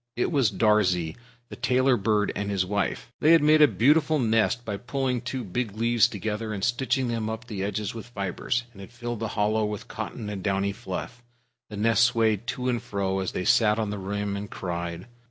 It was Darzee, the Tailorbird, and his wife. They had made a beautiful nest by pulling two big leaves together and stitching them up the edges with fibers, and had filled the hollow with cotton and downy fluff. The nest swayed to and fro, as they sat on the rim and cried.